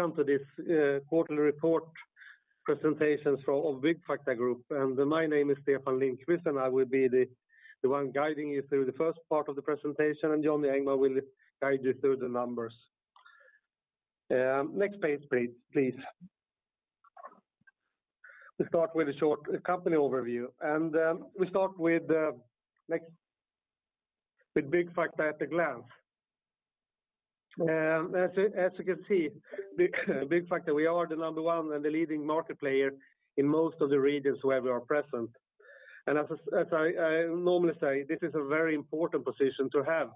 Welcome to this quarterly report presentations for of Byggfakta Group. My name is Stefan Lindqvist, and I will be the one guiding you through the first part of the presentation, and Johnny Engman will guide you through the numbers. Next page, please. We start with a short company overview with Byggfakta at a glance. As you can see, Byggfakta, we are the number one and the leading market player in most of the regions where we are present. As I normally say, this is a very important position to have,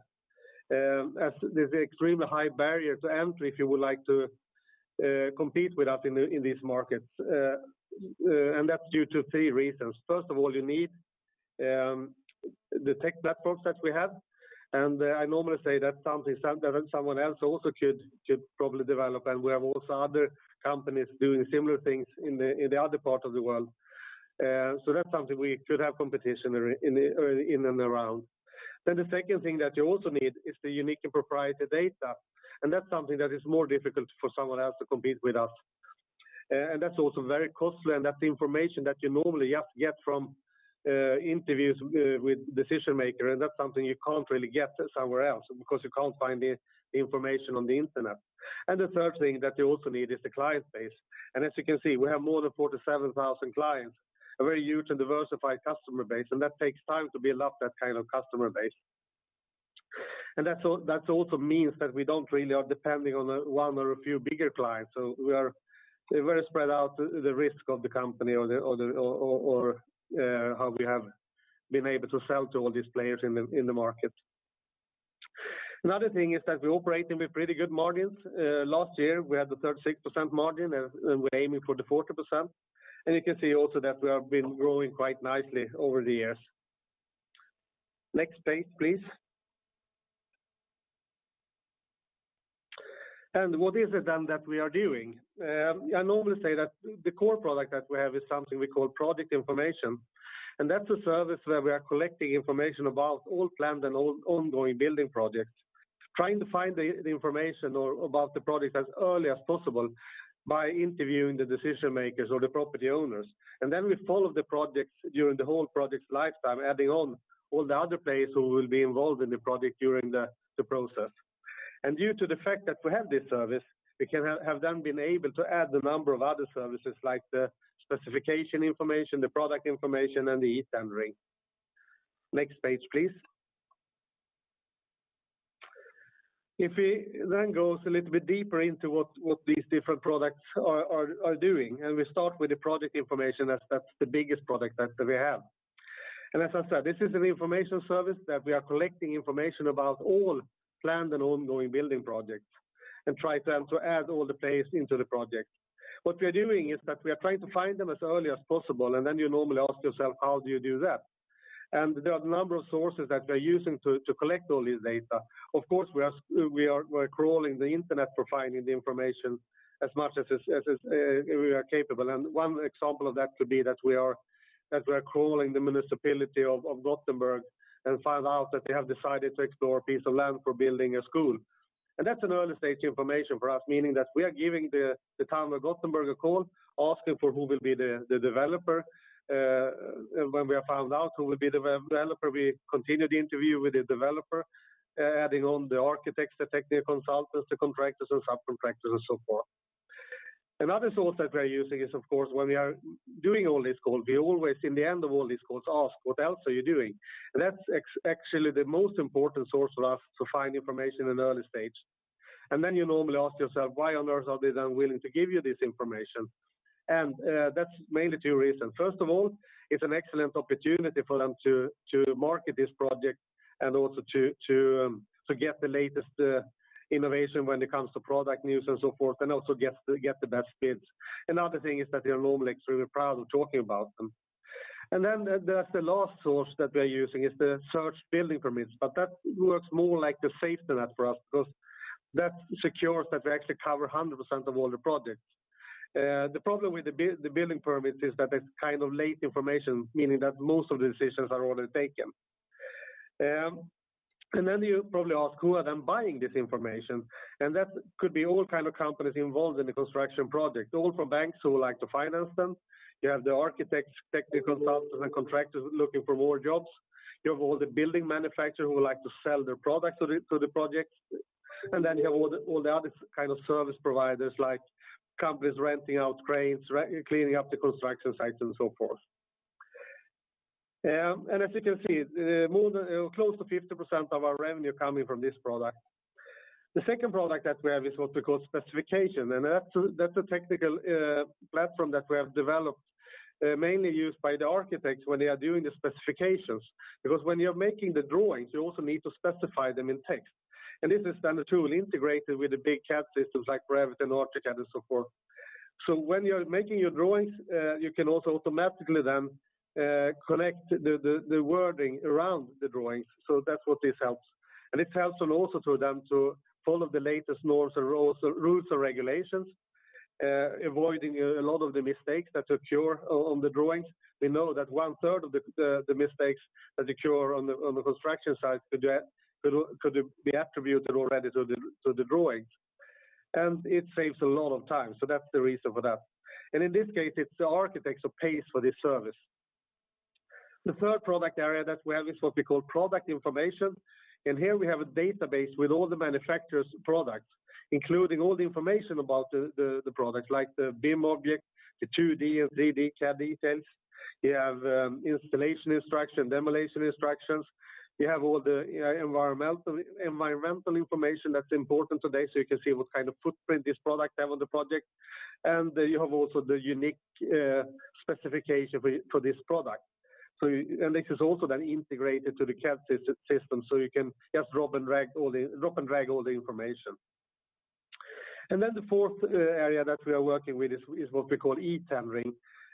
as there's extremely high barrier to entry if you would like to compete with us in these markets. That's due to three reasons. First of all, you need the tech platforms that we have. I normally say that's something someone else also could probably develop, and we have also other companies doing similar things in the other part of the world. That's something we could have competition in and around. The second thing that you also need is the unique and proprietary data, and that's something that is more difficult for someone else to compete with us. That's also very costly, and that's the information that you normally have to get from interviews with decision-maker, and that's something you can't really get somewhere else because you can't find the information on the internet. The third thing that you also need is the client base. As you can see, we have more than 47,000 clients, a very huge and diversified customer base, and that takes time to build up that kind of customer base. That also means that we don't really are depending on one or a few bigger clients. We're very spread out the risk of the company or the how we have been able to sell to all these players in the market. Another thing is that we're operating with pretty good margins. Last year, we had the 36% margin, and we're aiming for the 40%. You can see also that we have been growing quite nicely over the years. Next page, please. What is it then that we are doing? I normally say that the core product that we have is something we call product information, and that's a service where we are collecting information about all planned and ongoing building projects, trying to find the information about the product as early as possible by interviewing the decision-makers or the property owners. Then we follow the projects during the whole project's lifetime, adding on all the other players who will be involved in the project during the process. Due to the fact that we have this service, we can have then been able to add a number of other services like the specification information, the product information, and the e-Tendering. Next page, please. If we then go a little bit deeper into what these different products are doing, and we start with the product information, that's the biggest product that we have. As I said, this is an information service that we are collecting information about all planned and ongoing building projects and trying to add all the players into the project. What we are doing is that we are trying to find them as early as possible, and then you normally ask yourself, how do you do that? There are a number of sources that we're using to collect all this data. Of course, we're crawling the internet for finding the information as much as we are capable. One example of that could be that we are crawling the municipality of Gothenburg and find out that they have decided to explore a piece of land for building a school. That's an early-stage information for us, meaning that we are giving the town of Gothenburg a call, asking for who will be the developer. When we have found out who will be the developer, we continue the interview with the developer, adding on the architects, the technical consultants, the contractors and subcontractors and so forth. Another source that we're using is, of course, when we are doing all these calls, we always in the end of all these calls ask, "What else are you doing?" That's actually the most important source for us to find information in the early stage. Then you normally ask yourself, "Why on earth are they then willing to give you this information?" That's mainly two reasons. First of all, it's an excellent opportunity for them to market this project and also to get the latest innovation when it comes to product news and so forth, and also get the best bids. Another thing is that they are normally extremely proud of talking about them. That's the last source that we're using is the search building permits, but that works more like the safety net for us because that secures that we actually cover 100% of all the projects. The problem with the building permits is that it's kind of late information, meaning that most of the decisions are already taken. You probably ask, "Who are then buying this information?" That could be all kind of companies involved in the construction project, all from banks who would like to finance them. You have the architects, technical consultants, and contractors looking for more jobs. You have all the building manufacturers who would like to sell their products to the projects. You have all the other kind of service providers, like companies renting out cranes, cleaning up the construction sites and so forth. As you can see, more than or close to 50% of our revenue comes from this product. The second product that we have is what we call specification, and that's a technical platform that we have developed, mainly used by the architects when they are doing the specifications. Because when you're making the drawings, you also need to specify them in text. This is then a tool integrated with the big CAD systems like Revit and Archicad and so forth. When you're making your drawings, you can also automatically then collect the wording around the drawings. That's what this helps. It helps then also to them to follow the latest norms or rules or regulations, avoiding a lot of the mistakes that occur on the drawings. We know that one third of the mistakes that occur on the construction site could be attributed already to the drawings. It saves a lot of time. That's the reason for that. In this case, it's the architects who pays for this service. The third product area that we have is what we call product information. Here we have a database with all the manufacturer's products, including all the information about the products like the BIM object, the 2D and 3D CAD details. You have installation instructions, demolition instructions. You have all the environmental information that's important today, so you can see what kind of footprint this product have on the project. You have also the unique specification for this product. This is also then integrated to the CAD system, so you can just drop and drag all the information. Then the fourth area that we are working with is what we call e-Tendering.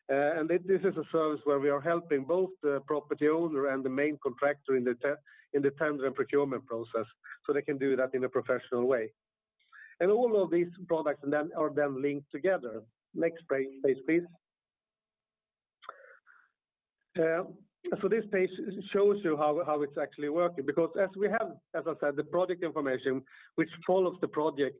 This is a service where we are helping both the property owner and the main contractor in the tender and procurement process, so they can do that in a professional way. All of these products are linked together. Next page, please. This page shows you how it's actually working, because as we have, as I said, the product information which follows the project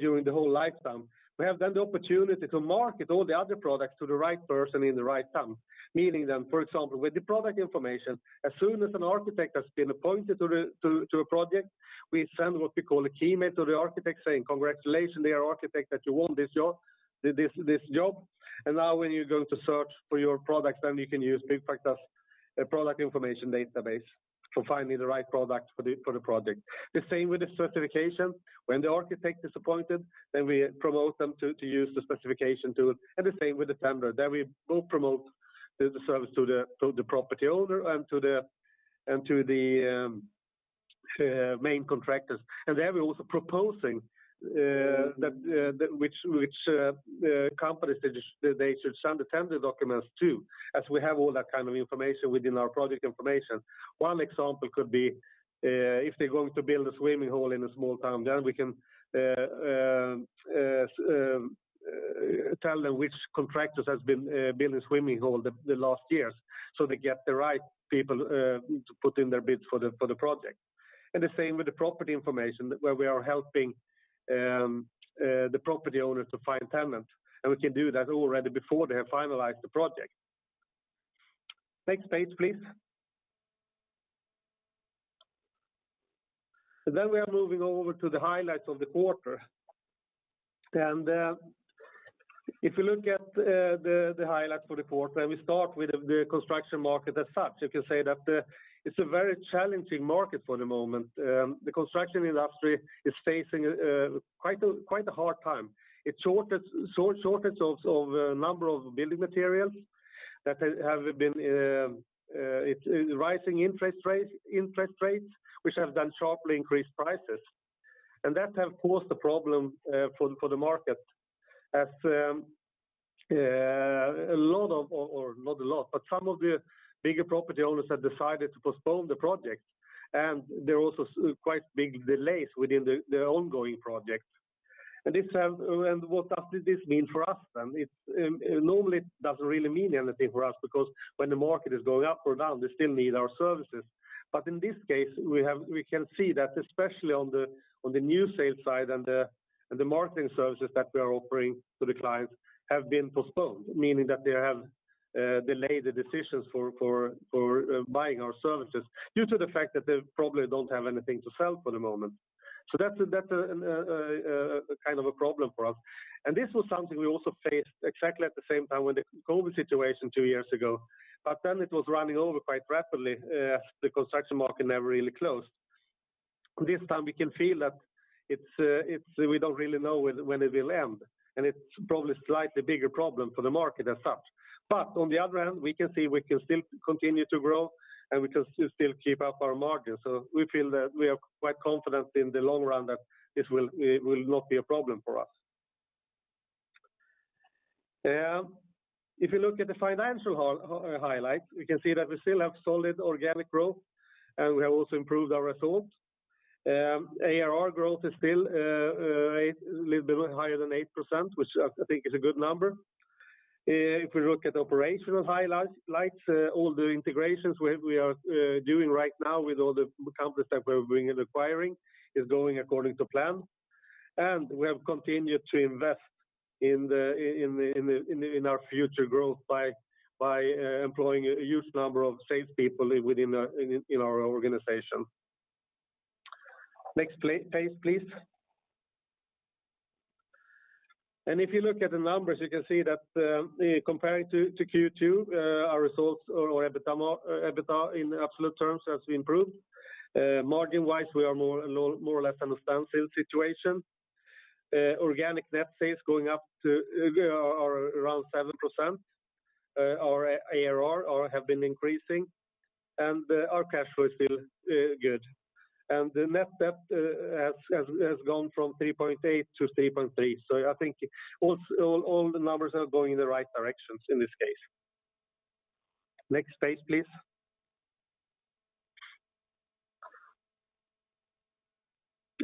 during the whole lifetime, we have the opportunity to market all the other products to the right person at the right time. Meaning, for example, with the product information, as soon as an architect has been appointed to a project, we send what we call a key mail to the architect saying, "Congratulations, dear architect, that you won this job, this job. Now when you go to search for your products, then you can use Byggfakta's product information database for finding the right product for the project. It's the same with the certification. When the architect is appointed, then we promote them to use the specification tool, and the same with the tender. We both promote the service to the property owner and to the main contractors. There we're also proposing that which companies they should send the tender documents to, as we have all that kind of information within our project information. One example could be if they're going to build a swimming pool in a small town, then we can tell them which contractors has been building swimming pool the last years, so they get the right people to put in their bids for the project. The same with the property information, where we are helping the property owner to find tenants, and we can do that already before they have finalized the project. Next page, please. We are moving over to the highlights of the quarter. If you look at the highlights for the quarter, we start with the construction market as such. You can say that it's a very challenging market for the moment. The construction industry is facing quite a hard time. Shortage of number of building materials that have been—it's rising interest rates, which have then sharply increased prices. That have caused a problem for the market, as a lot of, or not a lot, but some of the bigger property owners have decided to postpone the project. There are also quite big delays within the ongoing projects. What does this mean for us then? It normally doesn't really mean anything for us because when the market is going up or down, they still need our services. In this case, we can see that especially on the new sales side and the marketing services that we are offering to the clients have been postponed, meaning that they have delayed the decisions for buying our services due to the fact that they probably don't have anything to sell for the moment. That's a kind of a problem for us. This was something we also faced exactly at the same time with the COVID situation two years ago. Then it was running over quite rapidly as the construction market never really closed. This time we can feel that it's we don't really know when it will end, and it's probably a slightly bigger problem for the market as such. On the other hand, we can see we can still continue to grow, and we can still keep up our margins. We feel that we are quite confident in the long run that this will not be a problem for us. If you look at the financial highlights, we can see that we still have solid organic growth, and we have also improved our results. ARR growth is still 8%, little bit higher than 8%, which I think is a good number. If we look at operational highlights, all the integrations we are doing right now with all the companies that we've been acquiring is going according to plan. We have continued to invest in our future growth by employing a huge number of sales people within our organization. Next page, please. If you look at the numbers, you can see that comparing to Q2, our results or EBITDA in absolute terms has improved. Margin-wise, we are more or less on a standstill situation. Organic net sales going up or around 7%. Our ARR has been increasing, and our cash flow is still good. The net debt has gone from 3.8x to 3.3x. I think all the numbers are going in the right directions in this case. Next page, please.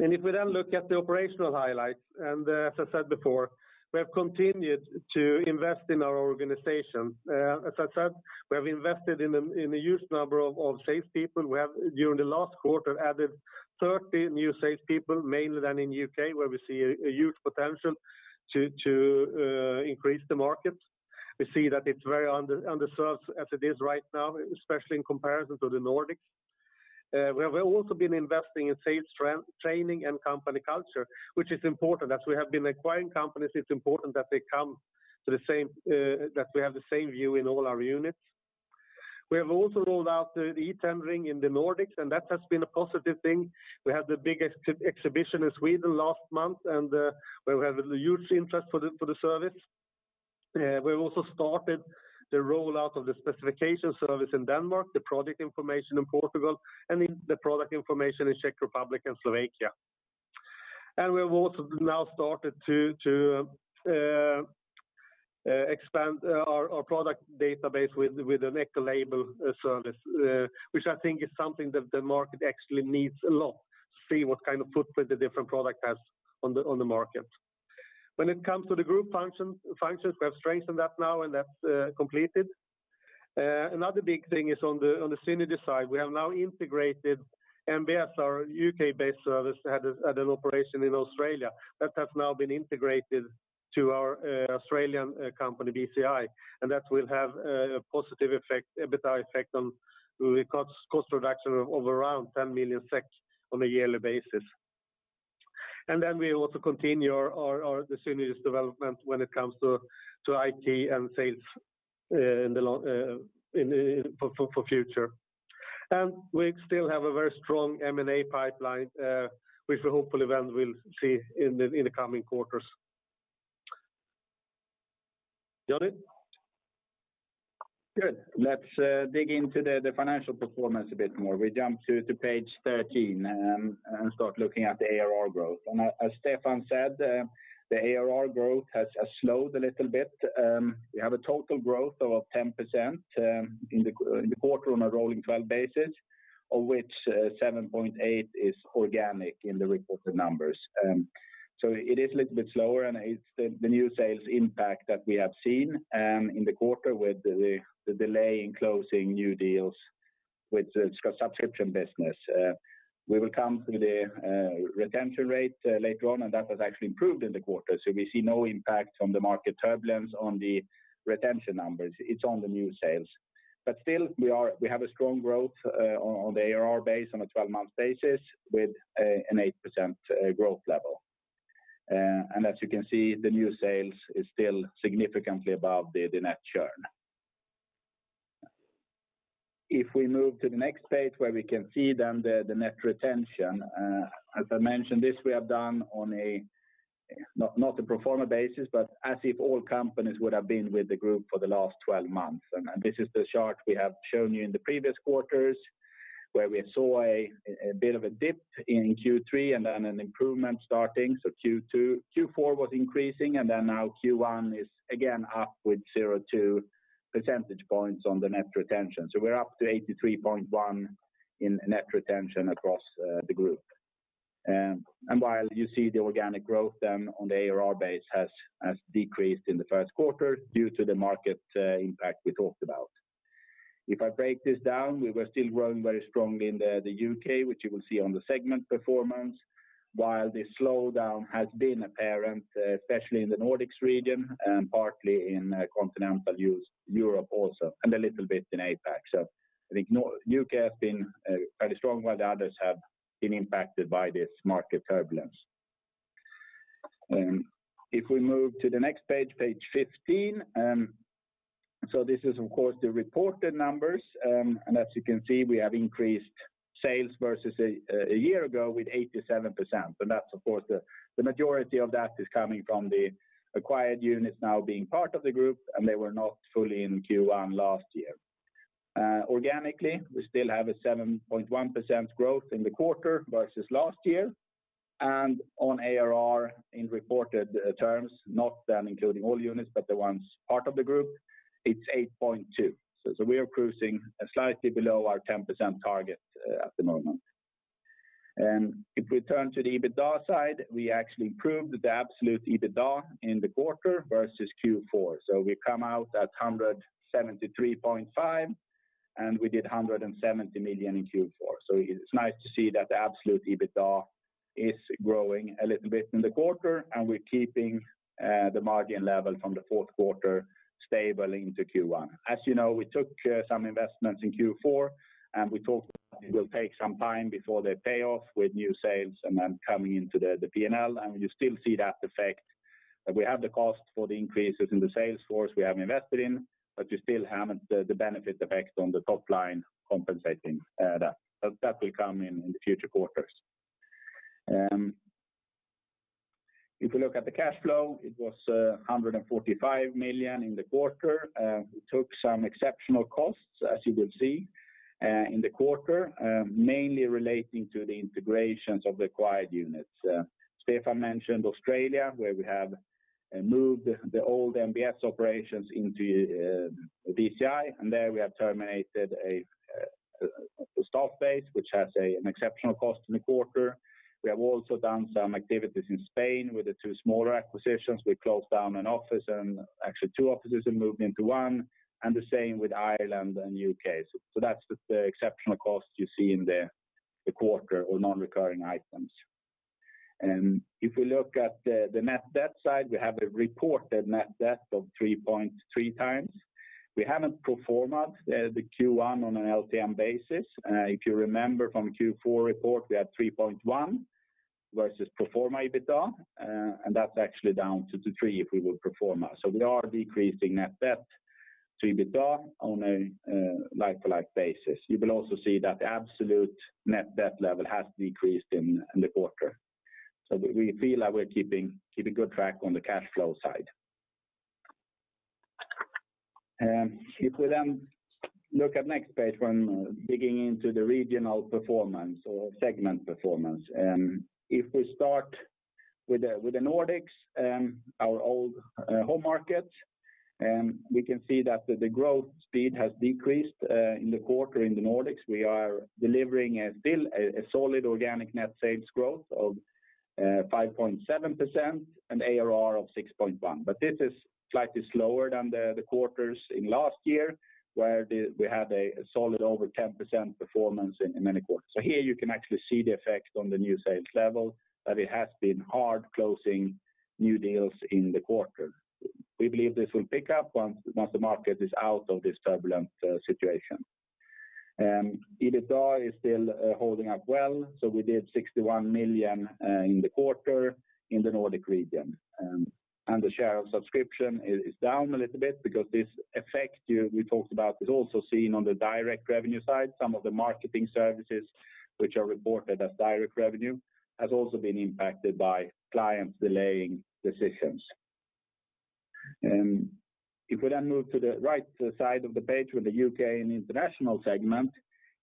If we then look at the operational highlights, and as I said before, we have continued to invest in our organization. As I said, we have invested in a huge number of sales people. We have, during the last quarter, added 30 new sales people, mainly in the U.K., where we see a huge potential to increase the market. We see that it's very underserved as it is right now, especially in comparison to the Nordics. We have also been investing in sales training and company culture, which is important. As we have been acquiring companies, it's important that they come to the same, that we have the same view in all our units. We have also rolled out the e-Tendering in the Nordics, and that has been a positive thing. We had the biggest exhibition in Sweden last month, where we have a huge interest for the service. We also started the rollout of the specification service in Denmark, the product information in Portugal, and the product information in Czech Republic and Slovakia. We have also now started to expand our product database with an eco-label service, which I think is something that the market actually needs a lot to see what kind of footprint the different product has on the market. When it comes to the group functions, we have strengthened that now, and that's completed. Another big thing is on the synergy side. We have now integrated NBS, our U.K.-based service that has had an operation in Australia. That has now been integrated to our Australian company, BCI. That will have a positive effect, EBITDA effect on the cost reduction of around 10 million SEK on a yearly basis. We also continue the synergies development when it comes to IT and sales for future. We still have a very strong M&A pipeline, which we hopefully then will see in the coming quarters. Johnny? Good. Let's dig into the financial performance a bit more. We jump to page 13 and start looking at the ARR growth. As Stefan said, the ARR growth has slowed a little bit. We have a total growth of 10% in the quarter on a rolling 12 basis, of which 7.8% is organic in the reported numbers. It is a little bit slower, and it's the new sales impact that we have seen in the quarter with the delay in closing new deals with the subscription business. We will come to the retention rate later on, and that has actually improved in the quarter. We see no impact on the market turbulence on the retention numbers. It's on the new sales. Still, we have a strong growth on the ARR base on a 12-month basis with an 8% growth level. As you can see, the new sales is still significantly above the net churn. If we move to the next page where we can see then the net retention, as I mentioned, this we have done not on a pro forma basis, but as if all companies would have been with the group for the last 12 months. This is the chart we have shown you in the previous quarters, where we saw a bit of a dip in Q3 and then an improvement starting. Q4 was increasing, and then now Q1 is again up with 2 percentage points on the net retention. We're up to 83.1% in net retention across the group. While you see the organic growth then on the ARR base has decreased in the first quarter due to the market impact we talked about. If I break this down, we were still growing very strongly in the U.K., which you will see on the segment performance. While the slowdown has been apparent, especially in the Nordics region and partly in Continental Europe also, and a little bit in APAC. I think U.K. has been fairly strong while the others have been impacted by this market turbulence. If we move to the next page 15. This is of course the reported numbers. As you can see, we have increased sales versus a year ago with 87%. That's of course the majority of that is coming from the acquired units now being part of the group, and they were not fully in Q1 last year. Organically, we still have a 7.1% growth in the quarter versus last year. On ARR in reported terms, not then including all units, but the ones part of the group, it's 8.2%. We are cruising slightly below our 10% target at the moment. If we turn to the EBITDA side, we actually improved the absolute EBITDA in the quarter versus Q4. We come out at 173.5 million, and we did 170 million in Q4. It's nice to see that the absolute EBITDA is growing a little bit in the quarter, and we're keeping the margin level from the fourth quarter stable into Q1. As you know, we took some investments in Q4, and we talked it will take some time before they pay off with new sales and then coming into the P&L, and you still see that effect. We have the cost for the increases in the sales force we have invested in, but you still haven't the benefit effect on the top line compensating that. That will come in the future quarters. If you look at the cash flow, it was 145 million in the quarter. We took some exceptional costs, as you will see, in the quarter, mainly relating to the integrations of the acquired units. Stefan mentioned Australia, where we have and moved the old NBS operations into BCI. There we have terminated a stock base, which has an exceptional cost in the quarter. We have also done some activities in Spain with the two smaller acquisitions. We closed down an office and actually two offices and moved into one, and the same with Ireland and U.K. That's the exceptional costs you see in the quarter or non-recurring items. If we look at the net debt side, we have a reported net debt of 3.3x. We haven't pro forma the Q1 on an LTM basis. If you remember from Q4 report, we had 3.1x versus pro forma EBITDA, and that's actually down 2x-3x if we were pro forma. We are decreasing net debt to EBITDA on a like-for-like basis. You will also see that absolute net debt level has decreased in the quarter. We feel like we're keeping good track on the cash flow side. If we then look at next page when digging into the regional performance or segment performance. If we start with the Nordics, our old home market, we can see that the growth speed has decreased in the quarter in the Nordics. We are delivering still a solid organic net sales growth of 5.7% and ARR of 6.1%. This is slightly slower than the quarters in last year, where we had a solid over 10% performance in any quarter. Here you can actually see the effect on the new sales level, that it has been hard closing new deals in the quarter. We believe this will pick up once the market is out of this turbulent situation. EBITDA is still holding up well, so we did 61 million in the quarter in the Nordic region. The share of subscription is down a little bit because this effect we talked about is also seen on the direct revenue side. Some of the marketing services which are reported as direct revenue has also been impacted by clients delaying decisions. If we move to the right side of the page with the U.K. & International segment,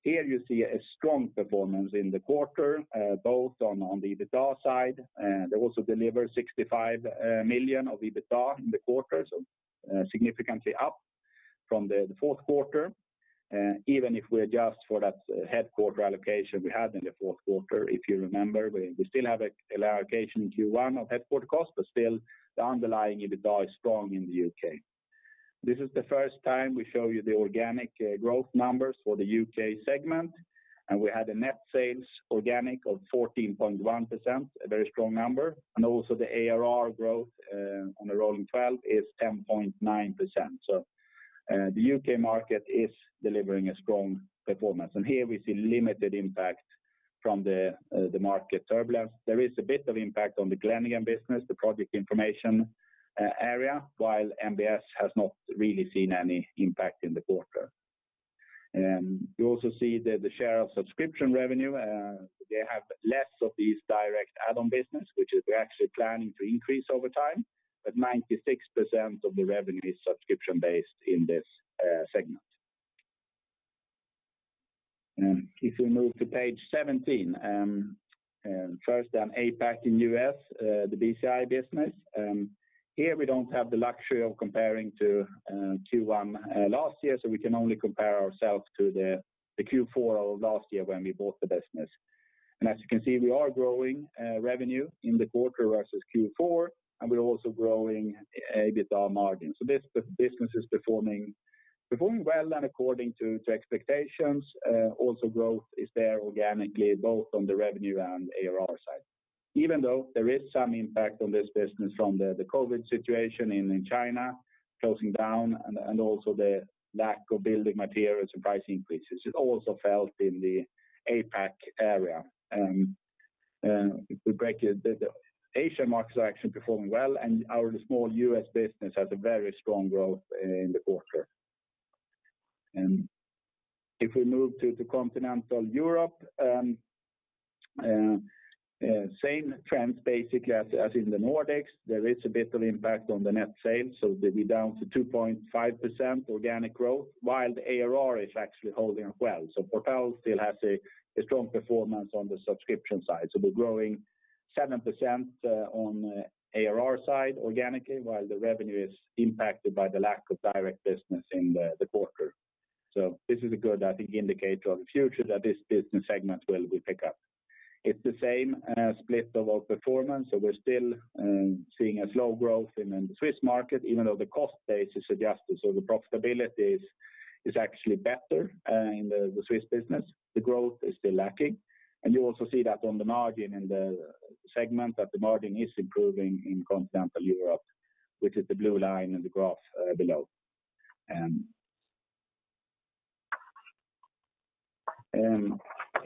here you see a strong performance in the quarter both on the EBITDA side. They also deliver 65 million of EBITDA in the quarter, so significantly up from the fourth quarter. Even if we adjust for that headquarters allocation we had in the fourth quarter, if you remember, we still have an allocation in Q1 of headquarters cost, but still the underlying EBITDA is strong in the U.K. This is the first time we show you the organic growth numbers for the U.K. segment, and we had a net sales organic of 14.1%, a very strong number. Also the ARR growth on a rolling 12 is 10.9%. The U.K. market is delivering a strong performance. Here we see limited impact from the market turbulence. There is a bit of impact on the Glenigan business, the project information area, while NBS has not really seen any impact in the quarter. You also see the share of subscription revenue. They have less of these direct add-on business, which we're actually planning to increase over time, but 96% of the revenue is subscription-based in this segment. If we move to page 17, first on APAC & U.S., the BCI business. Here we don't have the luxury of comparing to Q1 last year, so we can only compare ourselves to the Q4 of last year when we bought the business. As you can see, we are growing revenue in the quarter versus Q4, and we're also growing EBITDA margin. This business is performing well and according to expectations. Also growth is there organically, both on the revenue and ARR side. Even though there is some impact on this business from the COVID situation in China closing down and also the lack of building materials and price increases. It also felt in the APAC area. If we break it, the Asia markets are actually performing well, and our small U.S. business has a very strong growth in the quarter. If we move to Continental Europe, same trends basically as in the Nordics. There is a bit of impact on the net sales, so they'll be down to 2.5% organic growth, while the ARR is actually holding up well. Vortal still has a strong performance on the subscription side. We're growing 7% on ARR side organically, while the revenue is impacted by the lack of direct business in the quarter. This is a good, I think, indicator of the future that this business segment will pick up. It's the same split of our performance, so we're still seeing a slow growth in the Swiss market, even though the cost base is adjusted. The profitability is actually better in the Swiss business. The growth is still lacking. You also see that on the margin in the segment, that the margin is improving in Continental Europe, which is the blue line in the graph below.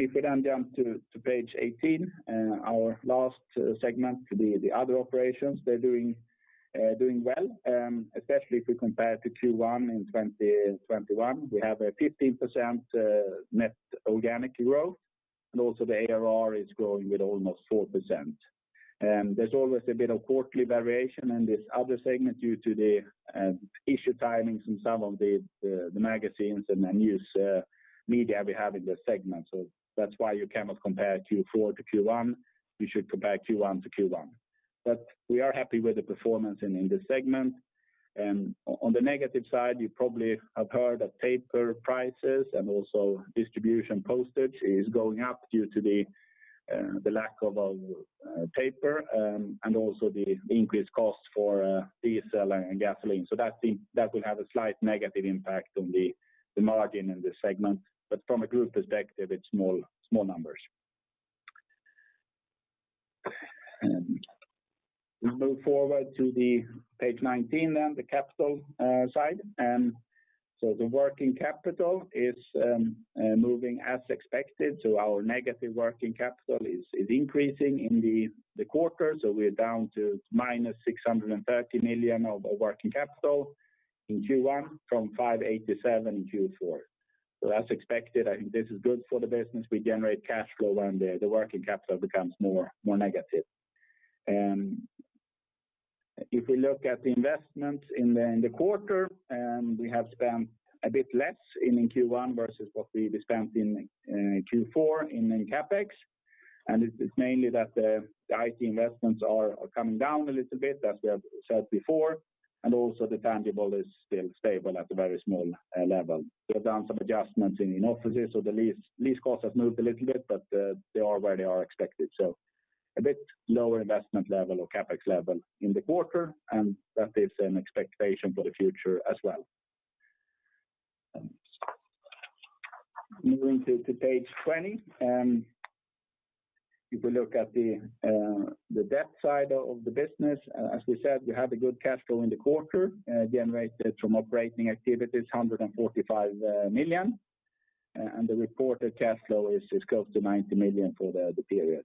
If we then jump to page 18, our last segment, the Other operations, they're doing well, especially if we compare to Q1 in 2021. We have a 15% net organic growth, and also the ARR is growing with almost 4%. There's always a bit of quarterly variation in this other segment due to the issue timings in some of the magazines and the news media we have in this segment. That's why you cannot compare Q4 to Q1. You should compare Q1 to Q1. We are happy with the performance in this segment. On the negative side, you probably have heard that paper prices and also distribution postage is going up due to the lack of paper and also the increased cost for diesel and gasoline. That will have a slight negative impact on the margin in this segment. From a group perspective, it's small numbers. We move forward to the page 19 then, the capital side. The working capital is moving as expected. Our negative working capital is increasing in the quarter. We're down to -630 million of our working capital in Q1 from 587 in Q4. As expected, I think this is good for the business. We generate cash flow when the working capital becomes more negative. If we look at the investment in the quarter, we have spent a bit less in Q1 versus what we spent in Q4 in CapEx. It's mainly that the IT investments are coming down a little bit, as we have said before, and also the tangible is still stable at a very small level. We have done some adjustments in offices, so the lease cost has moved a little bit, but they are where they are expected. A bit lower investment level or CapEx level in the quarter, and that is an expectation for the future as well. Moving to page 20. If we look at the debt side of the business, as we said, we have a good cash flow in the quarter generated from operating activities, 145 million. And the reported cash flow is close to 90 million for the period.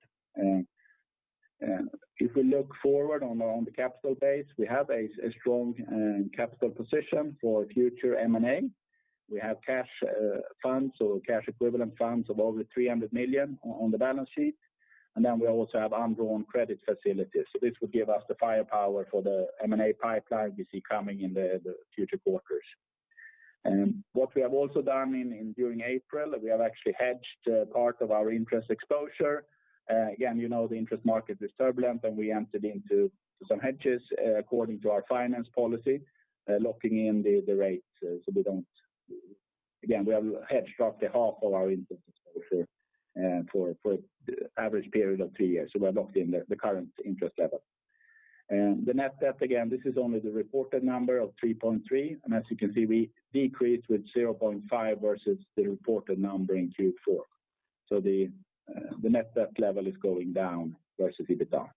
If we look forward on the capital base, we have a strong capital position for future M&A. We have cash funds, so cash equivalent funds of over 300 million on the balance sheet. And then we also have undrawn credit facilities. This will give us the firepower for the M&A pipeline we see coming in the future quarters. What we have also done during April, we have actually hedged part of our interest exposure. Again, you know, the interest market is turbulent, and we entered into some hedges according to our finance policy, locking in the rates. Again, we have hedged roughly half of our interest exposure, for average period of two years. We're locked in the current interest level. The net debt, again, this is only the reported number of 3.3x. As you can see, we decreased with 0.5x versus the reported number in Q4. The net debt level is going down versus EBITDA.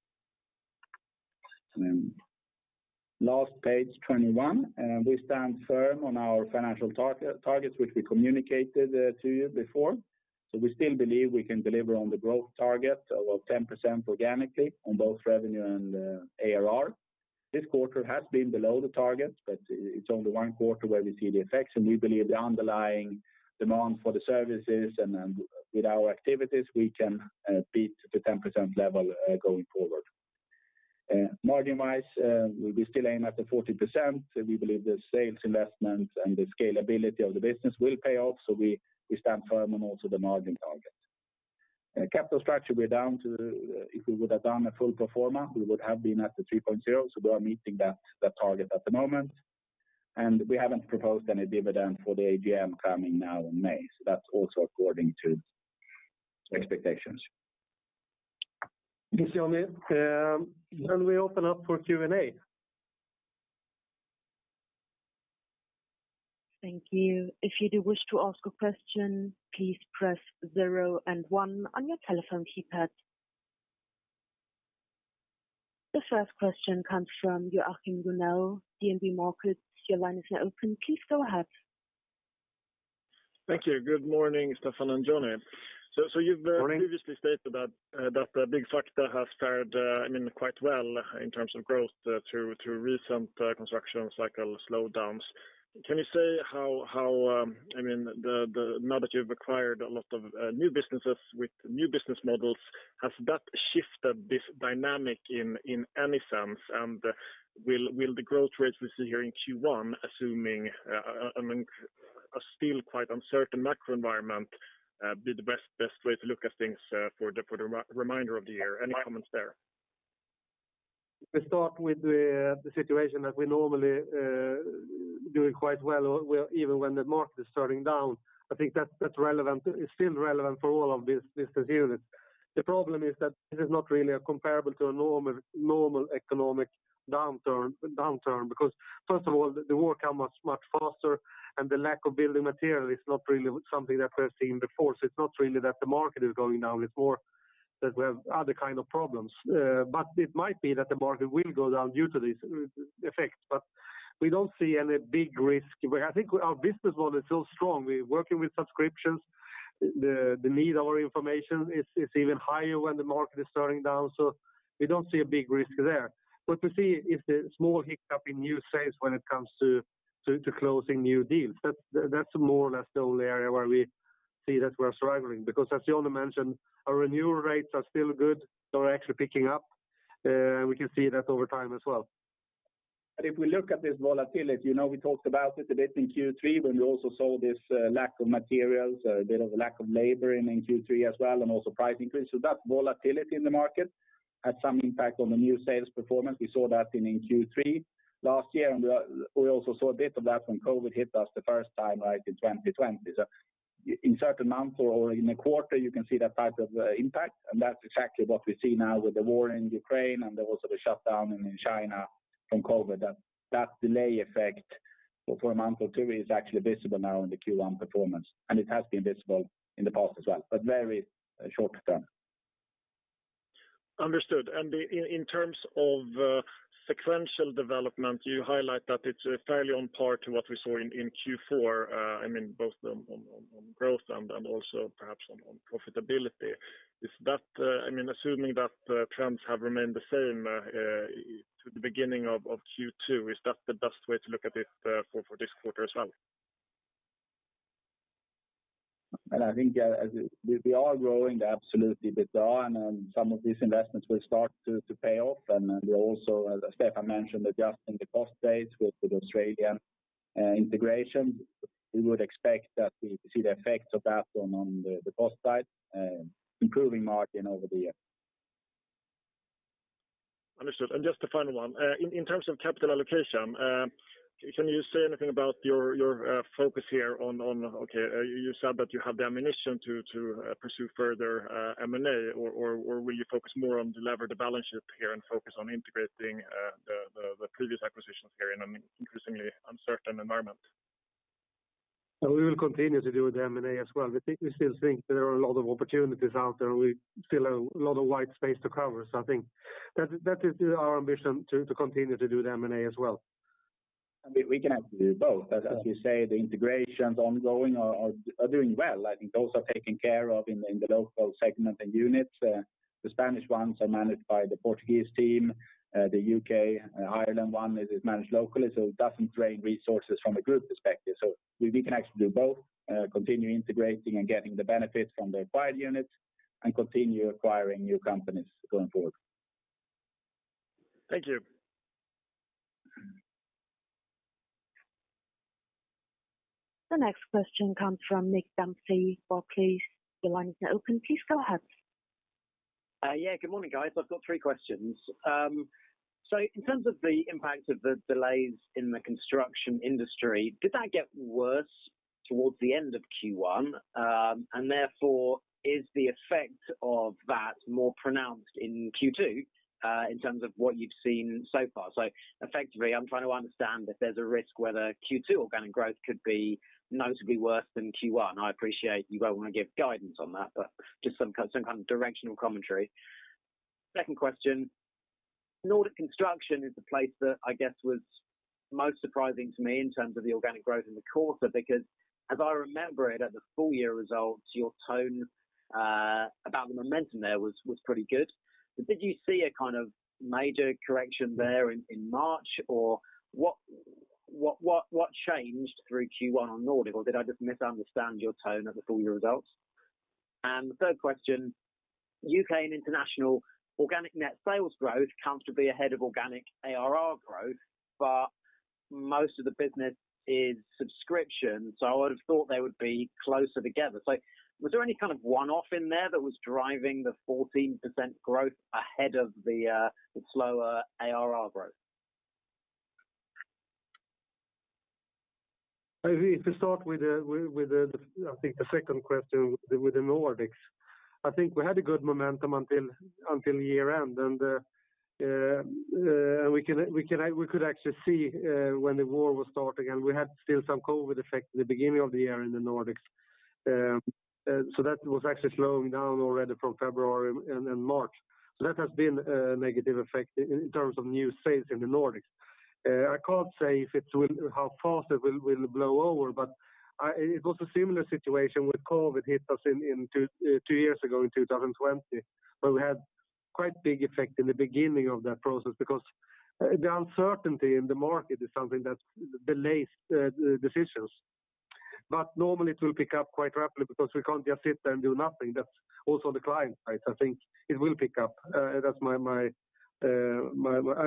Last page, 21. We stand firm on our financial targets which we communicated to you before. We still believe we can deliver on the growth target of 10% organically on both revenue and ARR. This quarter has been below the target, but it's only one quarter where we see the effects, and we believe the underlying demand for the services and with our activities, we can beat the 10% level going forward. Margin-wise, we still aim at the 40%. We believe the sales investment and the scalability of the business will pay off. We stand firm on also the margin target. Capital structure, we're down to the, if we would have done a full pro forma, we would have been at the 3.0x. We are meeting that target at the moment. We haven't proposed any dividend for the AGM coming now in May. That's also according to expectations. Thanks, Johnny. We open up for Q&A. Thank you. If you do wish to ask a question, please press zero and one on your telephone keypad. The first question comes from Joachim Gunell, DNB Markets. Your line is now open. Please go ahead. Thank you. Good morning, Stefan and Johnny. Morning. You've previously stated that the big factor has fared, I mean, quite well in terms of growth through recent construction cycle slowdowns. Can you say how, I mean, now that you've acquired a lot of new businesses with new business models, has that shifted this dynamic in any sense? Will the growth rates we see here in Q1, assuming, I mean, a still quite uncertain macro environment, be the best way to look at things for the remainder of the year? Any comments there? If we start with the situation that we normally doing quite well, where even when the market is turning down, I think that's relevant. It's still relevant for all of these business units. The problem is that this is not really a comparable to a normal economic downturn because first of all, the war came much faster, and the lack of building material is not really something that we're seeing before. It's not really that the market is going down, it's more that we have other kind of problems. It might be that the market will go down due to this effect. We don't see any big risk. I think our business model is still strong. We're working with subscriptions. The need of our information is even higher when the market is turning down. We don't see a big risk there. What we see is a small hiccup in new sales when it comes to closing new deals. That's more or less the only area where we see that we're struggling. Because as Johnny mentioned, our renewal rates are still good. They're actually picking up. We can see that over time as well. If we look at this volatility, you know, we talked about it a bit in Q3 when we also saw this lack of materials, a bit of a lack of labor in Q3 as well, and also price increase. That volatility in the market had some impact on the new sales performance. We saw that in Q3 last year, and we also saw a bit of that when COVID hit us the first time, right, in 2020. In certain months or in a quarter, you can see that type of impact, and that's exactly what we see now with the war in Ukraine and also the shutdown in China from COVID, that delay effect, for a month or two, is actually visible now in the Q1 performance, and it has been visible in the past as well, but very short term. Understood. In terms of sequential development, you highlight that it's fairly on par to what we saw in Q4, I mean, both on growth and also perhaps on profitability. Is that, I mean, assuming that trends have remained the same to the beginning of Q2, is that the best way to look at it for this quarter as well? I think, as we are growing the absolute EBITDA, and then some of these investments will start to pay off. Then we also, as Stefan mentioned, adjusting the cost base with the Australian integration, we would expect that we see the effects of that on the cost side, improving margin over the year. Understood. Just a final one. In terms of capital allocation, can you say anything about your focus here? Okay, you said that you have the ammunition to pursue further M&A, or will you focus more on deleveraging the balance sheet here and focus on integrating the previous acquisitions here in an increasingly uncertain environment? We will continue to do the M&A as well. We still think there are a lot of opportunities out there. We still have a lot of white space to cover. I think that is our ambition to continue to do the M&A as well. We can actually do both. As you say, the integrations ongoing are doing well. I think those are taken care of in the local segment and units. The Spanish ones are managed by the Portuguese team. The U.K. and Ireland one is managed locally, so it doesn't drain resources from a group perspective. We can actually do both, continue integrating and getting the benefits from the acquired units and continue acquiring new companies going forward. Thank you. The next question comes from Nick Dempsey, Barclays. Your line is now open. Please go ahead. Yeah, good morning, guys. I've got three questions. In terms of the impact of the delays in the construction industry, did that get worse towards the end of Q1? Therefore, is the effect of that more pronounced in Q2, in terms of what you've seen so far? Effectively, I'm trying to understand if there's a risk whether Q2 organic growth could be notably worse than Q1. I appreciate you won't want to give guidance on that, but just some kind of directional commentary. Second question, Nordic construction is the place that I guess was most surprising to me in terms of the organic growth in the quarter, because as I remember it at the full-year results, your tone about the momentum there was pretty good. Did you see a kind of major correction there in March? What changed through Q1 on Nordic? Did I just misunderstand your tone at the full-year results? The third question, U.K. & International organic net sales growth comfortably ahead of organic ARR growth, but most of the business is subscription, so I would have thought they would be closer together. Was there any kind of one-off in there that was driving the 14% growth ahead of the slower ARR growth? If we start with, I think, the second question with the Nordics. I think we had a good momentum until year-end, and we could actually see when the war was starting, and we had still some COVID effect at the beginning of the year in the Nordics. That was actually slowing down already from February and then March. That has been a negative effect in terms of new sales in the Nordics. I can't say how fast it will blow over, but it was a similar situation when COVID hit us two years ago in 2020, where we had quite big effect in the beginning of that process because the uncertainty in the market is something that delays decisions. Normally it will pick up quite rapidly because we can't just sit there and do nothing. That's also the client side. I think it will pick up. I'm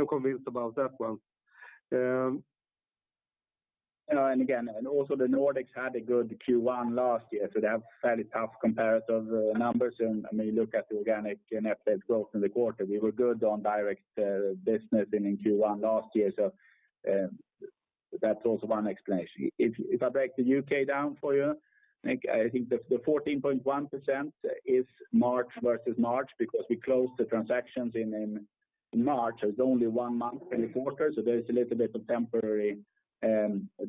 convinced about that one. You know, the Nordics had a good Q1 last year, so they have fairly tough comparative numbers. I mean, look at the organic net sales growth in the quarter. We were good on direct business in Q1 last year. That's also one explanation. If I break the U.K. down for you, Nick, I think the 14.1% is March versus March because we closed the transactions in March. There's only one month in the quarter, so there's a little bit of temporary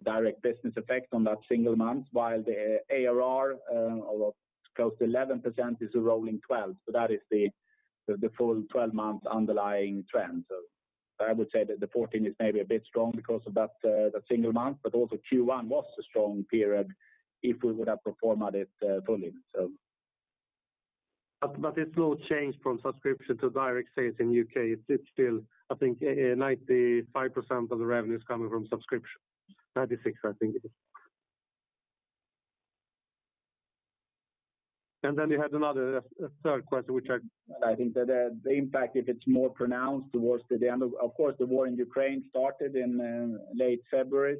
direct business effect on that single month, while the ARR of close to 11% is rolling 12. That is the full 12-month underlying trend. I would say that the 14% is maybe a bit strong because of that single month, but also Q1 was a strong period if we would have pro forma'd it fully. It's no change from subscription to direct sales in U.K. It's still, I think 95% of the revenue is coming from subscription; 96%, I think it is. You had another, a third question, which — Of course, the war in Ukraine started in late February,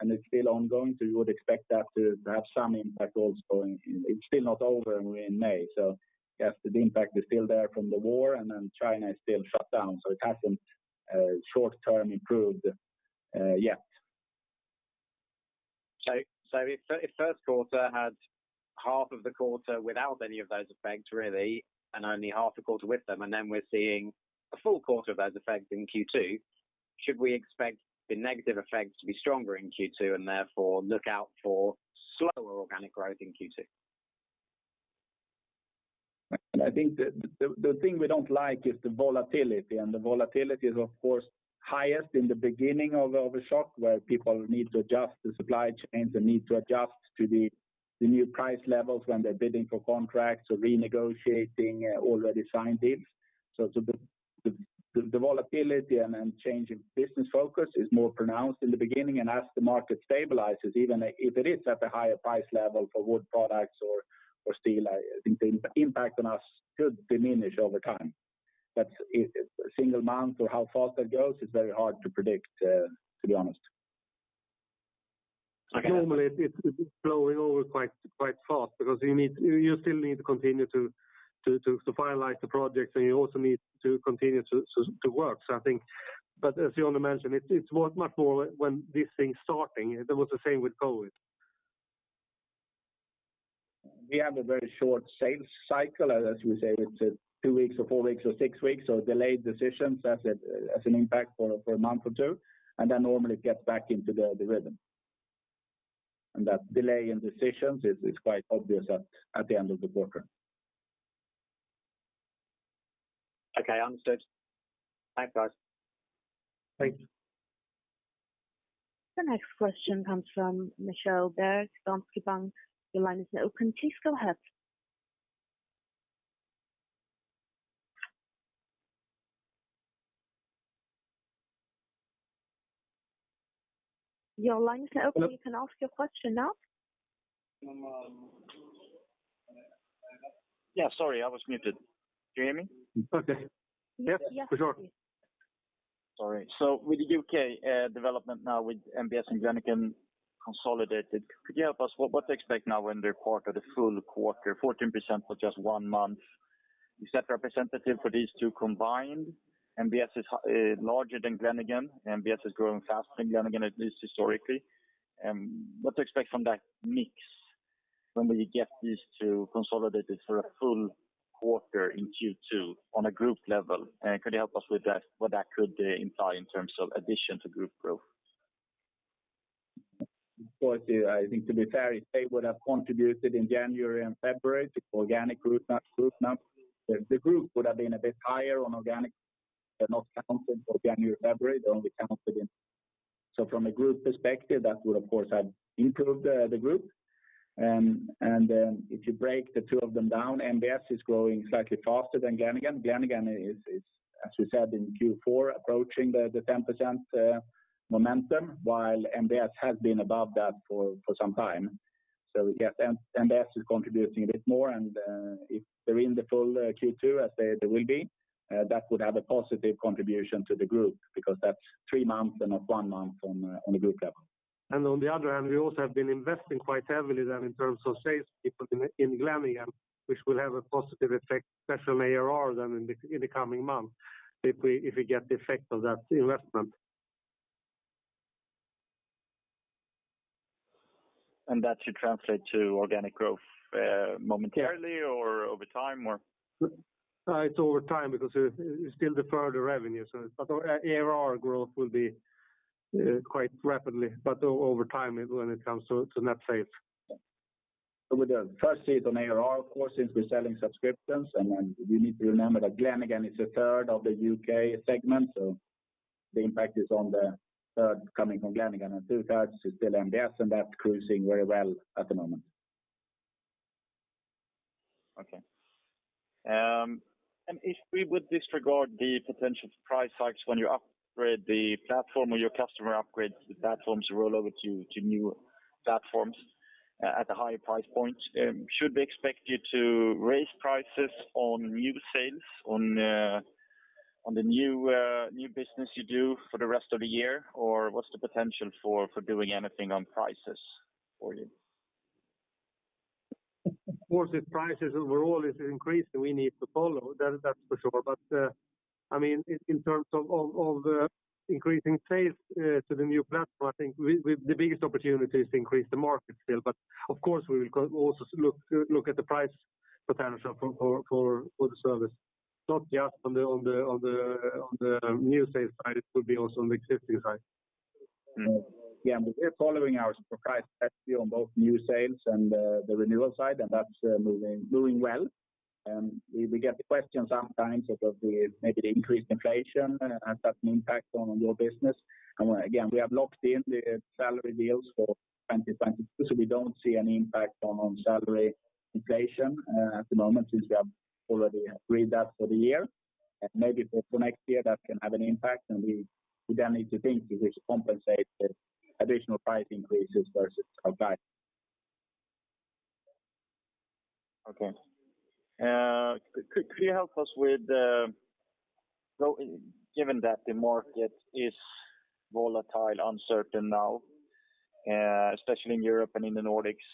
and it's still ongoing. You would expect that to have some impact also. It's still not over and we're in May. Yes, the impact is still there from the war and then China is still shut down. It hasn't, short term, improved. Yeah. If first quarter had half of the quarter without any of those effects really, and only half the quarter with them, and then we're seeing a full quarter of those effects in Q2, should we expect the negative effects to be stronger in Q2 and therefore look out for slower organic growth in Q2? I think the thing we don't like is the volatility, and the volatility is of course highest in the beginning of a shock where people need to adjust the supply chains, they need to adjust to the new price levels when they're bidding for contracts or renegotiating already signed deals. The volatility and change in business focus is more pronounced in the beginning. As the market stabilizes, even if it is at a higher price level for wood products or steel, I think the impact on us should diminish over time. A single month or how fast that goes is very hard to predict, to be honest. Okay. Normally, it is blowing over quite fast because you still need to continue to finalize the projects, and you also need to continue to work. I think as Johnny mentioned, it was much more when this thing's starting. It was the same with COVID. We have a very short sales cycle. As we say, it's two weeks or four weeks or six weeks. Delayed decisions, that's an impact for a month or two, and then normally gets back into the rhythm. That delay in decisions is quite obvious at the end of the quarter. Okay. Understood. Thanks, guys. Thank you. The next question comes from [Michele Berg], Danske Bank. Your line is now open. Please go ahead. Your line is now open. Hello? You can ask your question now. Yeah. Sorry, I was muted. Can you hear me? Okay. Yes. Yes, for sure. Yes. Sorry. With the U.K. development now with NBS and Glenigan consolidated, could you help us what to expect now when they report the full quarter, 14% for just one month? Is that representative for these two combined? NBS is larger than Glenigan. NBS is growing faster than Glenigan, at least historically. What to expect from that mix when we get these two consolidated for a full quarter in Q2 on a group level? Could you help us with that, what that could imply in terms of addition to group growth? Of course, yeah. I think to be fair, they would have contributed in January and February to organic growth, not group now. The group would have been a bit higher on organic, but not counted for January, February. They're only counted in. [inaudible] From a group perspective, that would of course have improved the group. If you break the two of them down, NBS is growing slightly faster than Glenigan. Glenigan is, as we said in Q4, approaching the 10% momentum, while NBS has been above that for some time. Yes, NBS is contributing a bit more, and if they're in the full Q2 as they will be, that would add a positive contribution to the group because that's three months and not one month on a group level. On the other hand, we also have been investing quite heavily then in terms of sales people in Glenigan, which will have a positive effect, especially on ARR then in the coming months if we get the effect of that investment. That should translate to organic growth, momentarily or over time, or? It's over time because it's still deferred revenue. Our ARR growth will be quite rapidly, but over time when it comes to net sales. With the first phase on ARR, of course, since we're selling subscriptions, and then you need to remember that Glenigan is 1/3 of the U.K. segment. The impact is on the 1/3 coming from Glenigan, and 2/3 is still NBS, and that's cruising very well at the moment. Okay. If we would disregard the potential price hikes when you upgrade the platform or your customer upgrades the platforms roll over to new platforms at a higher price point, should we expect you to raise prices on new sales on the new business you do for the rest of the year? Or what's the potential for doing anything on prices for you? Of course, if prices overall is increasing, we need to follow, that's for sure. I mean, in terms of increasing sales to the new platform, I think the biggest opportunity is to increase the market still. Of course, we will also look at the price potential for the service, not just on the new sales side. It will be also on the existing side. We're following our price strategy on both new sales and the renewal side, and that's moving doing well. We get the question sometimes of maybe the increased inflation has that an impact on your business. Again, we have locked in the salary deals for 2022, so we don't see any impact on salary inflation at the moment since we have already agreed that for the year. Maybe for next year that can have an impact, and we then need to think if it's compensated additional price increases versus a guide. Okay. Could you help us, given that the market is volatile, uncertain now, especially in Europe and in the Nordics.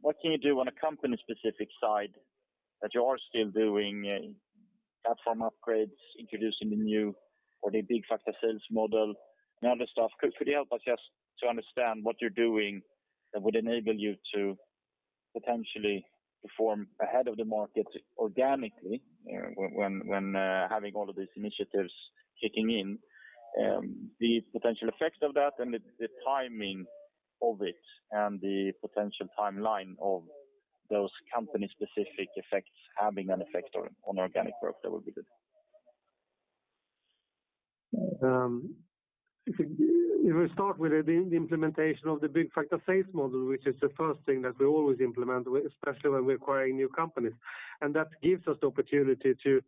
What can you do on a company-specific side that you are still doing platform upgrades, introducing the new or the big factor sales model and other stuff? Could you help us just to understand what you're doing that would enable you to potentially perform ahead of the market organically, when having all of these initiatives kicking in, the potential effects of that and the timing of it, and the potential timeline of those company specific effects having an effect on organic growth, that would be good. If we start with the implementation of the Byggfakta sales model, which is the first thing that we always implement, especially when we're acquiring new companies. That gives us the opportunity to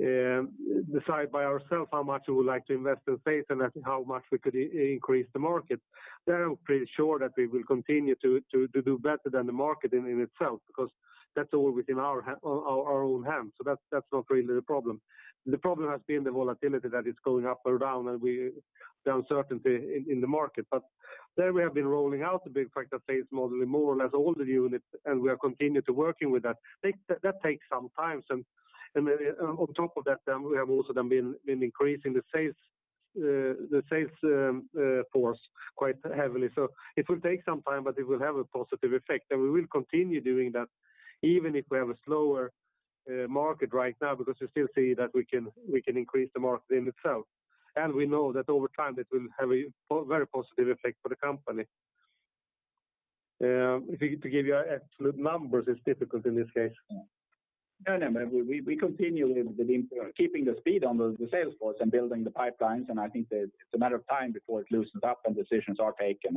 decide by ourselves how much we would like to invest in staff and that's how much we could increase the market. There I'm pretty sure that we will continue to do better than the market in of itself, because that's all within our own hands. That's not really the problem. The problem has been the volatility that is going up or down. The uncertainty in the market. There we have been rolling out the big factor sales model in more or less all the units, and we are continuing to work with that; that takes some time. On top of that, we have also been increasing the sales force quite heavily. It will take some time, but it will have a positive effect. We will continue doing that even if we have a slower market right now, because we still see that we can increase the market in itself. We know that over time, it will have a very positive effect for the company. If we could give you absolute numbers, it's difficult in this case. No, no. We continually be keeping the speed on the sales force and building the pipelines, and I think that it's a matter of time before it loosens up and decisions are taken.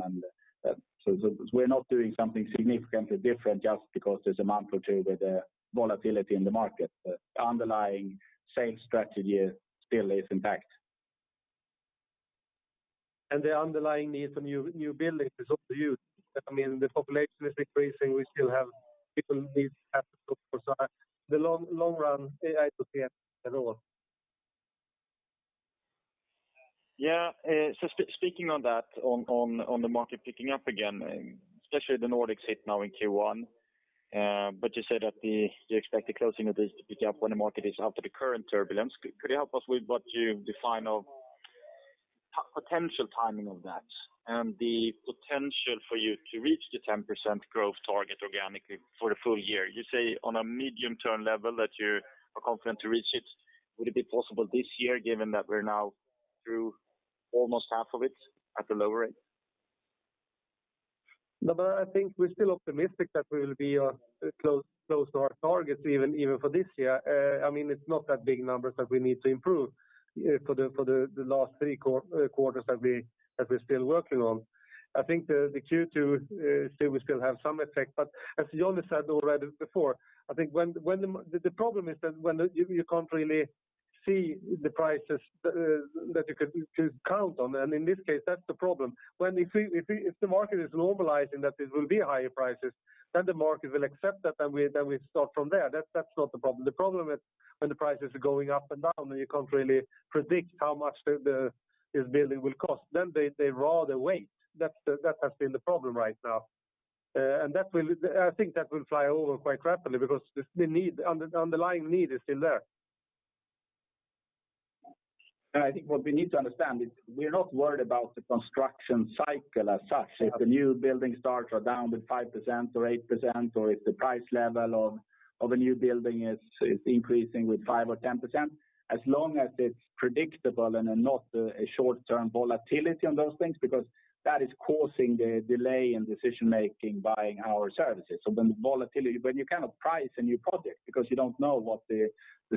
We're not doing something significantly different just because there's a month or two with the volatility in the market. The underlying sales strategy still is intact. The underlying need for new buildings is also huge. I mean, the population is increasing. We still have people live in the long run. [inaudible] Yeah. So speaking on that, on the market picking up again, especially the Nordics hit now in Q1. But you said that you expect the closing of this to pick up when the market is after the current turbulence. Could you help us with what you define of potential timing of that and the potential for you to reach the 10% growth target organically for the full year? You say on a medium-term level that you are confident to reach it. Would it be possible this year, given that we're now through almost half of it at a lower rate? No, but I think we're still optimistic that we will be close to our targets even for this year. I mean, it's not that big numbers that we need to improve for the last three quarters that we're still working on. I think the Q2 so we still have some effect. As Johnny said already before, I think the problem is that when you can't really see the prices that you could count on. In this case, that's the problem. If the market is normalizing that it will be higher prices, then the market will accept that and we start from there; that's not the problem. The problem is when the prices are going up and down, and you can't really predict how much this building will cost, then they rather wait. That has been the problem right now. I think that will fly over quite rapidly because the underlying need is still there. I think what we need to understand is we're not worried about the construction cycle as such. If the new building starts are down with 5% or 8%, or if the price level of a new building is increasing with 5% or 10%, as long as it's predictable and not a short-term volatility on those things because that is causing the delay in decision-making buying our services. When you cannot price a new project because you don't know what the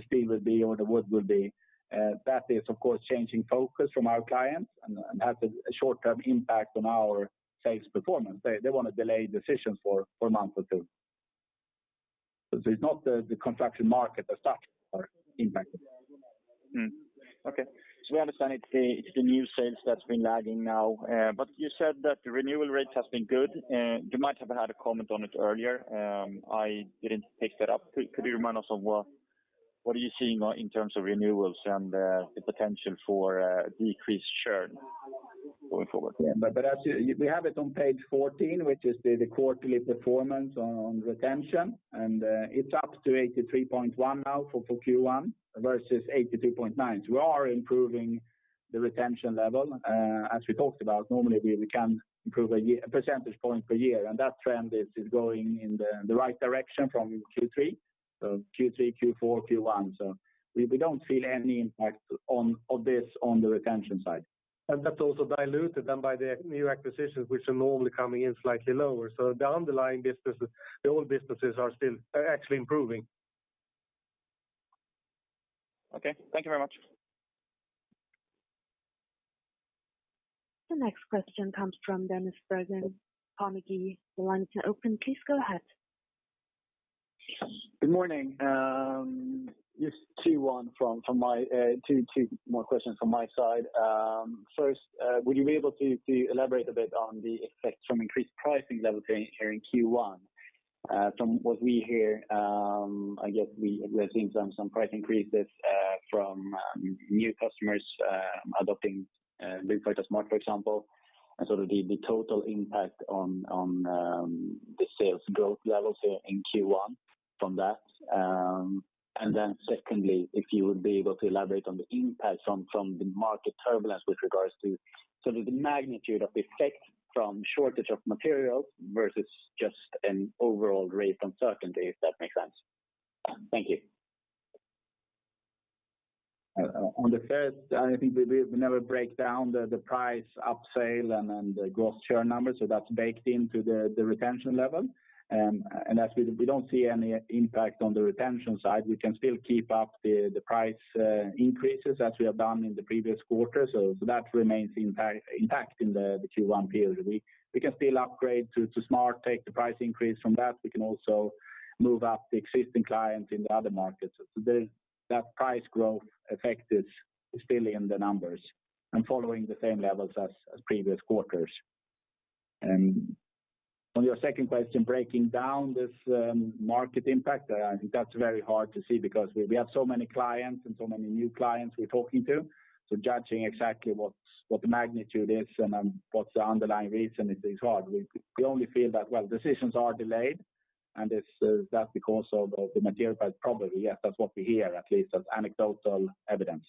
steel will be or the wood will be, that is of course changing focus from our clients and has a short-term impact on our sales performance. They want to delay decisions for a month or two. It's not the contraction market that's stuck or impacted. Okay. We understand it's the new sales that's been lagging now. You said that the renewal rate has been good. You might have had a comment on it earlier. I didn't pick that up. Could you remind us what you are seeing in terms of renewals and the potential for decreased churn going forward? We have it on page 14, which is the quarterly performance on retention. It's up to 83.1% now for Q1 versus 82.9%. We are improving the retention level. As we talked about, normally we can improve 1 percentage point per year, and that trend is going in the right direction from Q3, Q4, Q1. We don't feel any impact of this on the retention side. That's also diluted then by the new acquisitions which are normally coming in slightly lower. The underlying businesses, the old businesses are still actually improving. Okay. Thank you very much. The next question comes from Dennis Berggren, Carnegie. The line is now open. Please go ahead. Good morning. Just two more questions from my side. First, would you be able to elaborate a bit on the effects from increased pricing level change here in Q1? From what we hear, I guess we're seeing some price increases from new customers adopting Byggfakta SMART, for example, and sort of the total impact on the sales growth levels here in Q1 from that. Secondly, if you would be able to elaborate on the impact from the market turbulence with regards to sort of the magnitude of the effect from shortage of materials versus just an overall rate uncertainty, if that makes sense. Thank you. On the first, I think we never break down the price upsell and the gross share numbers, so that's baked into the retention level. As we don't see any impact on the retention side, we can still keep up the price increases as we have done in the previous quarter. That remains impact in the Q1 period. We can still upgrade to SMART, take the price increase from that. We can also move up the existing clients in the other markets. That price growth effect is still in the numbers and following the same levels as previous quarters. On your second question, breaking down this market impact, I think that's very hard to see because we have so many clients and so many new clients we're talking to. Judging exactly what's the magnitude is and what's the underlying reason is hard. We only feel that, well, decisions are delayed, and it's that's because of the material price problem. Yes, that's what we hear, at least as anecdotal evidence.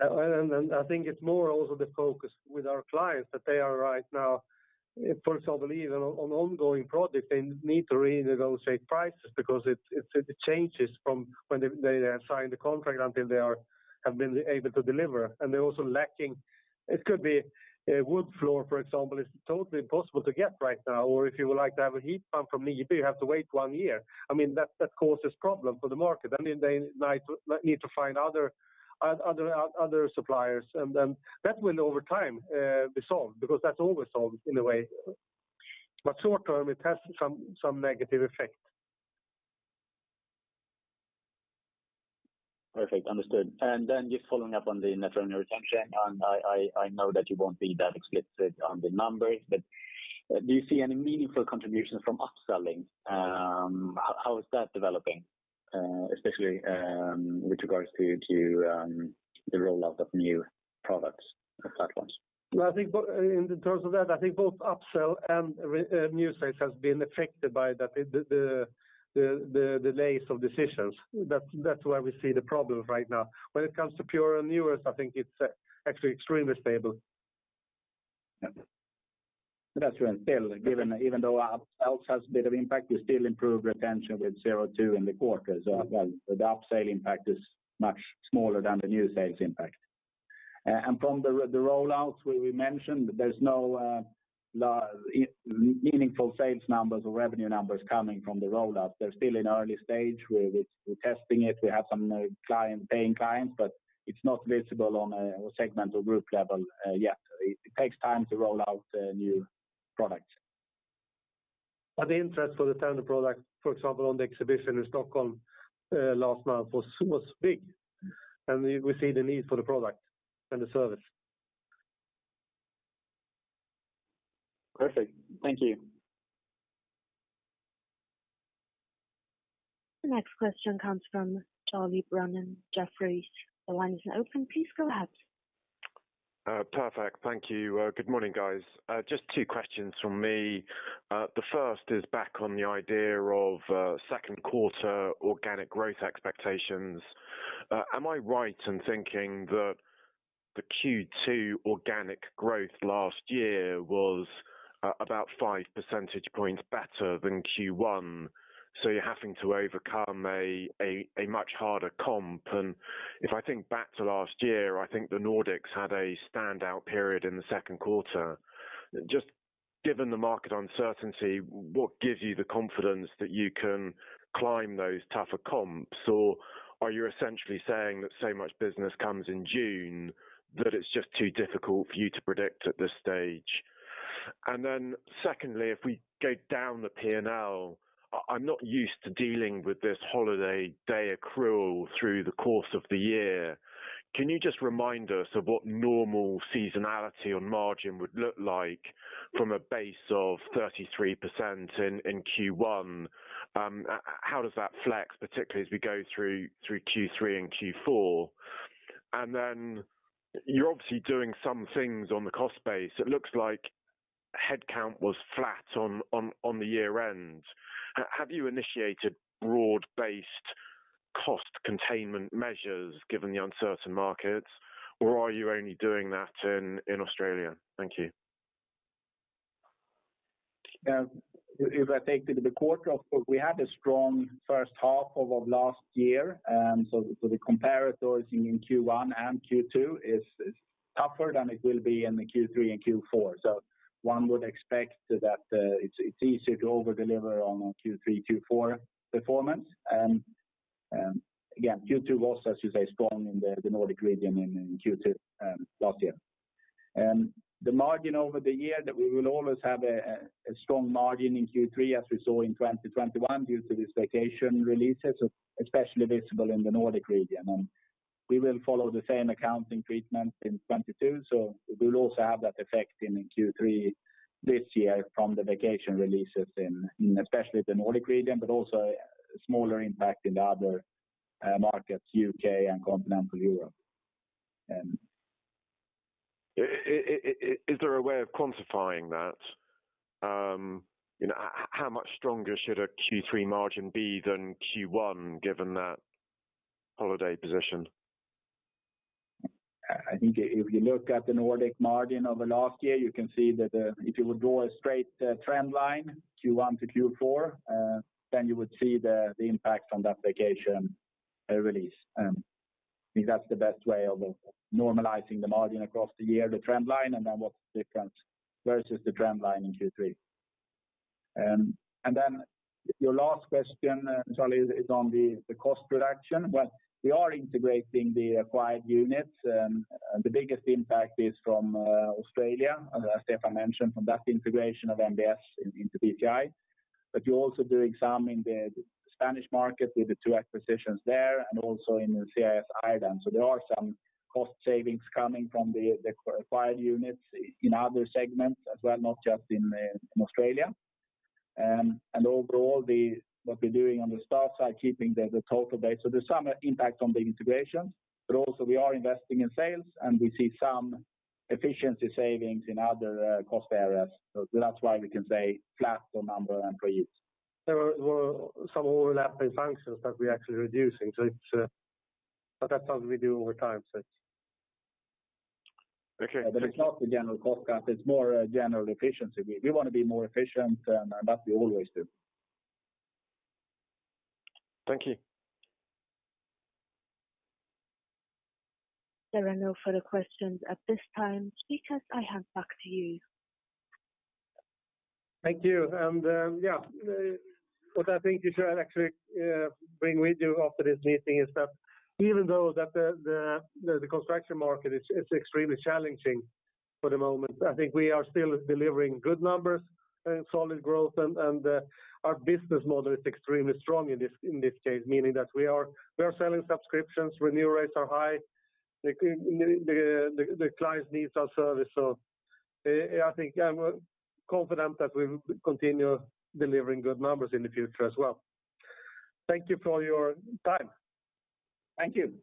I think it's more also the focus with our clients that they are right now, first of all, believe on ongoing projects, they need to renegotiate prices because it changes from when they sign the contract until they have been able to deliver. They're also lacking—it could be a wood floor, for example, is totally impossible to get right now. Or if you would like to have a heat pump from me, you do have to wait one year. I mean, that causes problem for the market. I mean, they might need to find other suppliers. That will over time be solved because that's always solved in a way. Short term, it has some negative effect. Perfect. Understood. Just following up on the net revenue retention, and I know that you won't be that explicit on the numbers, but do you see any meaningful contributions from upselling? How is that developing, especially with regards to the rollout of new products or platforms? I think in terms of that, I think both upsell and new sales has been affected by that. The delays of decisions. That's where we see the problem right now. When it comes to pure and newest, I think it's actually extremely stable. That's when still given even though upsells has a bit of impact, we still improve retention with 0.2% in the quarter. Well, the upselling impact is much smaller than the new sales impact. From the rollouts where we mentioned, there's no meaningful sales numbers or revenue numbers coming from the rollout. They're still in early stage. We're testing it. We have some paying clients, but it's not visible on a segment or group level yet. It takes time to roll out new products. The interest for the tender product, for example, on the exhibition in Stockholm last month was big. We see the need for the product and the service. Perfect. Thank you. The next question comes from Charles Brennan, Jefferies. The line is now open. Please go ahead. Perfect. Thank you. Good morning, guys. Just two questions from me. The first is back on the idea of second quarter organic growth expectations. Am I right in thinking that the Q2 organic growth last year was about five percentage points better than Q1? You're having to overcome a much harder comp. If I think back to last year, I think the Nordics had a standout period in the second quarter. Given the market uncertainty, what gives you the confidence that you can climb those tougher comps? Or are you essentially saying that so much business comes in June that it's just too difficult for you to predict at this stage? Secondly, if we go down the P&L, I'm not used to dealing with this holiday pay accrual through the course of the year. Can you just remind us of what normal seasonality on margin would look like from a base of 33% in Q1? How does that flex, particularly as we go through Q3 and Q4? Then you're obviously doing some things on the cost base. It looks like headcount was flat on the year-end. Have you initiated broad-based cost containment measures given the uncertain markets, or are you only doing that in Australia? Thank you. Yeah. If I take the quarter, of course, we had a strong first half of last year. The comparators in Q1 and Q2 is tougher than it will be in the Q3 and Q4. One would expect that it's easier to over-deliver on Q3, Q4 performance. Again, Q2 was, as you say, strong in the Nordic region in Q2 last year. The margin over the year that we will always have a strong margin in Q3, as we saw in 2021 due to this vacation releases, especially visible in the Nordic region. We will follow the same accounting treatment in 2022, so we'll also have that effect in Q3 this year from the vacation releases in especially the Nordic region, but also a smaller impact in the other markets, U.K. and Continental Europe. Is there a way of quantifying that? You know, how much stronger should a Q3 margin be than Q1 given that holiday position? I think if you look at the Nordic margin over last year, you can see that if you would draw a straight trend line, Q1 to Q4, then you would see the impact from that vacation release. I think that's the best way of normalizing the margin across the year, the trend line, and then what's different versus the trend line in Q3. Your last question, Charles, is on the cost reduction. Well, we are integrating the acquired units, and the biggest impact is from Australia, as Stefan mentioned, from that integration of NBS into BCI. You're also doing some in the Spanish market with the two acquisitions there and also in the CIS Ireland. There are some cost savings coming from the acquired units in other segments as well, not just in Australia. Overall, what we're doing on the staff side, keeping the total base. There’s some impact on the integrations, but also we are investing in sales, and we see some efficiency savings in other cost areas. That’s why we can say flat on number of employees. There were some overlapping functions that we're actually reducing, so it's. That's something we do over time, so it's— Okay. It's not a general cost cut, it's more a general efficiency. We wanna be more efficient, and that we always do. Thank you. There are no further questions at this time. Speakers, I hand back to you. Thank you. What I think you should actually bring with you after this meeting is that even though the construction market is extremely challenging for the moment, I think we are still delivering good numbers, solid growth, and our business model is extremely strong in this case, meaning that we are selling subscriptions, renewal rates are high. The clients need our service, so I think I'm confident that we'll continue delivering good numbers in the future as well. Thank you for your time. Thank you.